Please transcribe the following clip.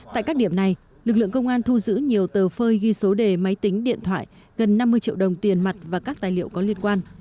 tại các điểm này lực lượng công an thu giữ nhiều tờ phơi ghi số đề máy tính điện thoại gần năm mươi triệu đồng tiền mặt và các tài liệu có liên quan